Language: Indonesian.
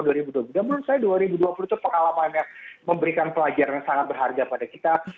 menurut saya dua ribu dua puluh itu pengalamannya memberikan pelajaran yang sangat berharga pada kita